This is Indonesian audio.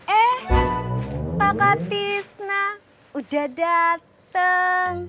eh pak ketisna udah dateng